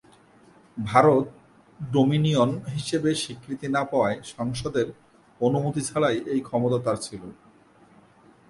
Bharat dominion হিসেবে স্বীকৃতি না পাওয়ায় সংসদের অনুমতি ছাড়াই এই ক্ষমতা তার ছিল।